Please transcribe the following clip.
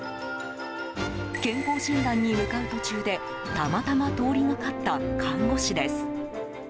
健康診断に向かう途中でたまたま通りがかった看護師です。